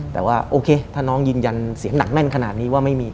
แต่ว่าโอเคถ้าน้องยืนยันเสียงหนักแน่นขนาดนี้ว่าไม่มี